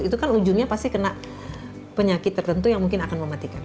itu kan ujungnya pasti kena penyakit tertentu yang mungkin akan mematikan